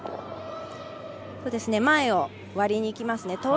前を割りにいきますね。